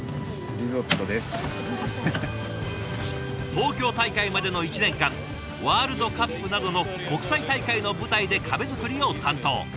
東京大会までの１年間ワールドカップなどの国際大会の舞台で壁作りを担当。